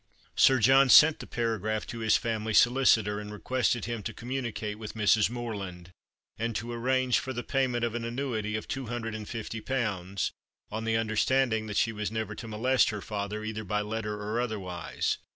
Sir John sent the paragraph to his family solicitor, and requested him to communicate with Mrs. Morland, and to arrange for the payment of an annuity of two hundred and fifty pounds, on the understanding that she was never to molest her father either by letter or otherwise.